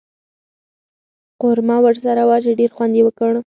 قورمه ورسره وه چې ډېر خوند یې وکړ.